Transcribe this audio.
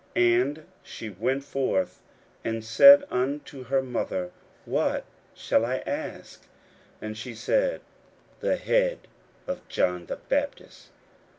41:006:024 And she went forth, and said unto her mother, What shall I ask? And she said, The head of John the Baptist.